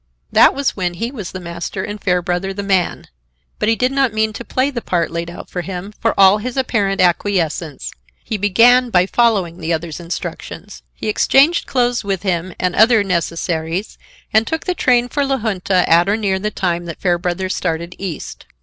That was when he was the master and Fairbrother the man. But he did not mean to play the part laid out for him, for all his apparent acquiescence. He began by following the other's instructions. He exchanged clothes with him and other necessaries, and took the train for La Junta at or near the time that Fairbrother started east.